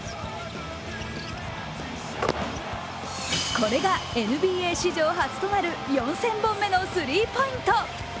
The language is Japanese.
これがＮＢＡ史上初となる４０００本スリーポイント。